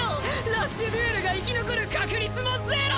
ラッシュデュエルが生き残る確率もゼロ！